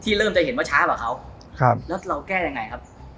เริ่มจะเห็นว่าช้ากว่าเขาครับแล้วเราแก้ยังไงครับ